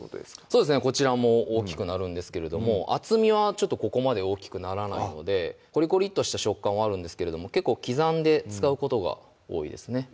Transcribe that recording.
そうですねこちらも大きくなるんですけれども厚みはちょっとここまで大きくならないのでコリコリッとした食感はあるんですけれども結構刻んで使うことが多いですね